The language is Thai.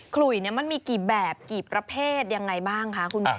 ขลุยมันมีกี่แบบกี่ประเภทยังไงบ้างคะคุณหมอ